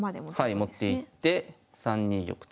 持っていって３二玉と。